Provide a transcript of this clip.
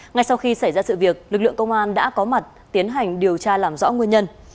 ngay sau khi xảy ra sự việc lực lượng công an đã có mặt tiến hành điều tra làm rõ nguyên nhân